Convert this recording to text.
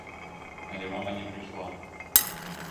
Але мама не прыйшла.